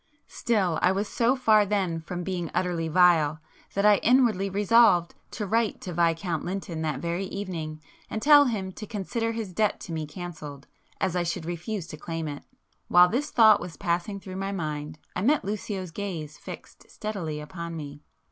Still I was so far then from being utterly vile, that I inwardly resolved to write to Viscount Lynton that very evening, and tell him to consider his debt to me cancelled, as I should refuse to claim it. While this thought was passing through my mind, I met Lucio's gaze fixed steadily upon me.